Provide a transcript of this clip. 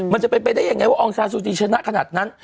มันจะเป็นไปได้ยังไงว่าอองซาซูจีชนะขนาดนั้น